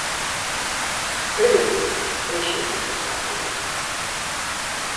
¿Pero que exemplo me está poñendo?